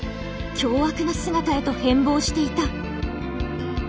凶悪な姿へと変貌していた。